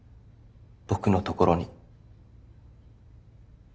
僕のところに。